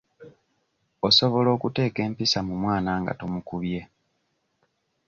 Osobola okuteeka empisa mu mwana nga tomukubye.